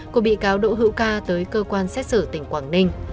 của bị cáo đỗ hữu ca tới cơ quan xét xử tỉnh quảng ninh